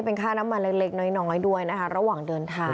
เป็นค่าน้ำมันเล็กน้อยด้วยนะคะระหว่างเดินทาง